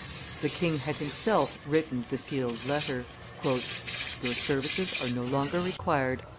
The king had himself written the sealed letter "Your services are no longer required.